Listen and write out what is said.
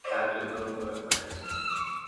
সারা, চোখ খুলো, তোমার বোন মারা গেছে!